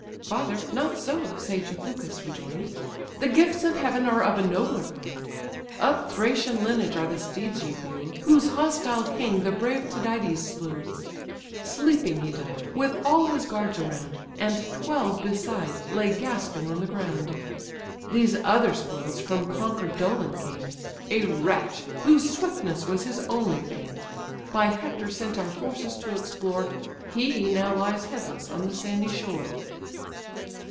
"Father! not so, (sage Ithacus rejoin'd,) The gifts of heaven are of a nobler kind. Of Thracian lineage are the steeds ye view, Whose hostile king the brave Tydides slew; Sleeping he died, with all his guards around, And twelve beside lay gasping on the ground. These other spoils from conquer'd Dolon came, A wretch, whose swiftness was his only fame; By Hector sent our forces to explore, He now lies headless on the sandy shore."